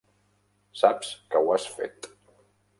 Saps que ho has fet.